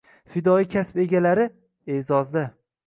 Fidoyi kasb egalari - e’zozda